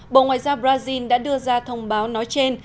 bộ ngoại giao brazil đã đưa ra thông báo nói trên